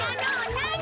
なに？